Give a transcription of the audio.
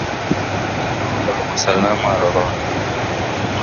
Ni Salama Rohoni